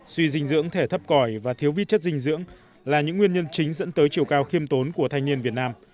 suy dinh dưỡng thể thấp còi và thiếu vi chất dinh dưỡng là những nguyên nhân chính dẫn tới chiều cao khiêm tốn của thanh niên việt nam